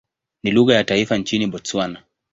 Ni lugha ya taifa nchini Botswana.